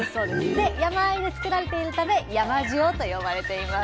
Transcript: で山あいでつくられているため「山塩」と呼ばれています。